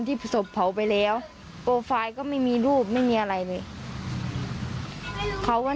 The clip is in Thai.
ที่ศพเผาไปแล้วโปรไฟล์ก็ไม่มีรูปไม่มีอะไรเลยเขาก็